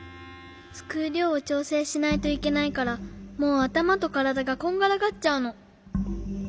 すくうりょうをちょうせいしないといけないからもうあたまとからだがこんがらがっちゃうの。